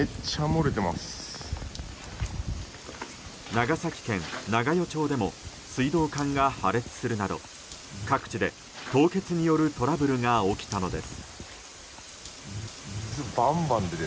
長崎県長与町でも水道管が破裂するなど各地で凍結によるトラブルが起きたのです。